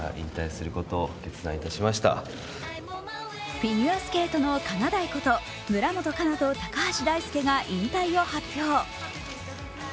フィギュアスケートのかなだいこと村元哉中と高橋大輔が引退を発表。